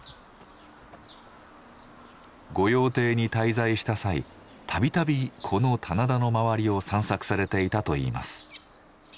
御用邸に滞在した際度々この棚田の周りを散策されていたといいます。